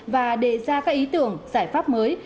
và đề ra các ý tưởng giải pháp mới